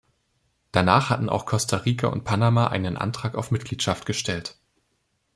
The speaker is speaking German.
Danach hatten auch Costa Rica und Panama einen Antrag auf Mitgliedschaft gestellt.